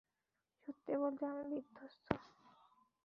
সত্যি বলতে আমি বিধ্বস্ত।